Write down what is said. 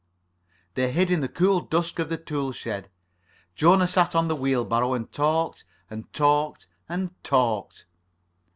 They hid in the cool dusk of the tool shed. Jona sat on the wheelbarrow and talked, and talked, and talked.